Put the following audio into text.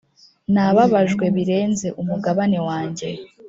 nababajwe birenze umugabane wanjye;